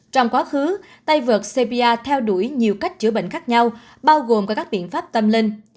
trong quá khứ tay vượt serbia theo đuổi nhiều cách chữa bệnh khác nhau bao gồm qua các biện pháp tâm linh